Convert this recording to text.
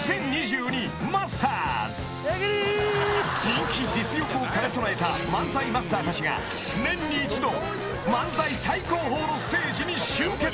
［人気実力を兼ね備えた漫才マスターたちが年に一度漫才最高峰のステージに集結］